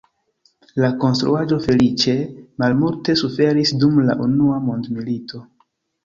La konstruaĵo feliĉe malmulte suferis dum la Unua Mondmilito.